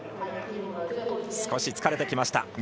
少し疲れてきました。